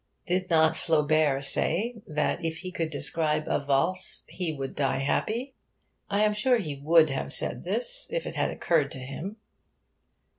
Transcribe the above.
Did not Flaubert say that if he could describe a valse he would die happy? I am sure he would have said this if it had occurred to him.